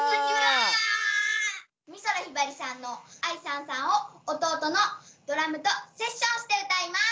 美空ひばりさんの「愛燦燦」を弟のドラムとセッションして歌います。